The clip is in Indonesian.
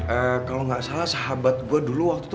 eee kalau nggak salah sahabat gue dulu waktu itu